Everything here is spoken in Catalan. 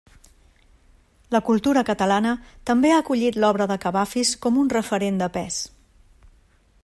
La cultura catalana també ha acollit l'obra de Kavafis com un referent de pes.